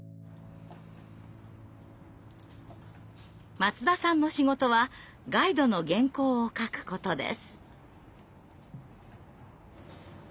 松田さんの仕事はガイドの原稿を書くことです。